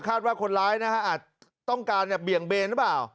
อ่ะคาดว่าคนร้ายนะคะอ่ะต้องการเนี่ยเบี่ยงเบนหรือเปล่า